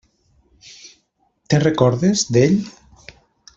Te'n recordes, d'ell?